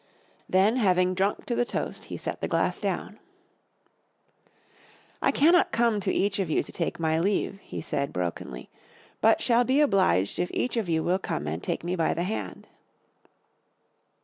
Then having drunk to the toast he set the glass down. "I cannot come to each of you to take my leave," he said brokenly, "but shall be obliged if each of you will come and take me by the hand."